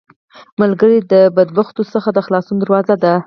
ملګری د بدبختیو څخه د خلاصون دروازه ده